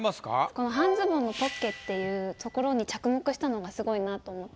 この「半ズボンのポッケ」っていうところに着目したのがすごいなと思って。